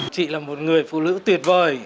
chị là một người phụ nữ tuyệt vời